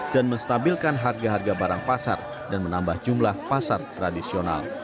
dan menstabilkan harga harga barang pasar dan menambah jumlah pasar tradisional